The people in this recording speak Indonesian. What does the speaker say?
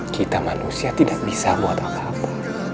kita manusia tidak bisa buat apa apa